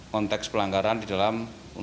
konteks pelanggaran di dalam